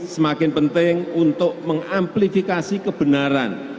semakin penting untuk mengamplifikasi kebenaran